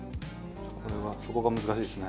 これはそこが難しいですね。